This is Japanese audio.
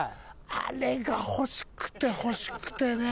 あれが欲しくて欲しくてね。